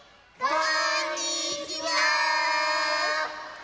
こんにちは！